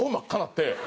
って。